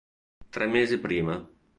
Tre mesi prima.